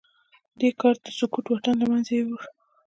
دې کار د سکوت واټن له منځه يووړ.